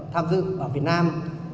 tham dự ở việt nam